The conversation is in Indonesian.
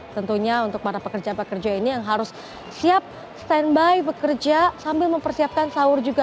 tentunya untuk para pekerja pekerja ini yang harus siap standby bekerja sambil mempersiapkan sahur juga